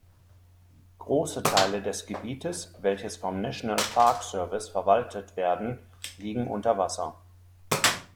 Große Teile des Gebietes, welches vom "National Park Service" verwaltet werden, liegen unter Wasser.